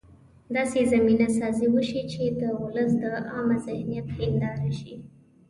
داسې زمینه سازي وشي چې د ولس د عامه ذهنیت هنداره شي.